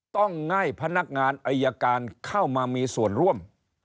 ต้องให้พนักงานอายการเข้ามามีส่วนร่วม